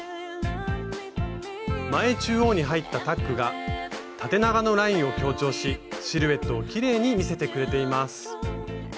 前中央に入ったタックが縦長のラインを強調しシルエットをきれいに見せてくれています。